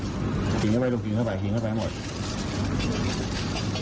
พระอาจารย์ออสบอกว่าอาการของคุณแป๋วผู้เสียหายคนนี้อาจจะเกิดจากหลายสิ่งประกอบกัน